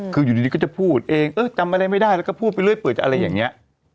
คืออยู่ดีก็จะพูดเองเออจำอะไรไม่ได้แล้วก็พูดไปเรื่อยเปิดอะไรอย่างนี้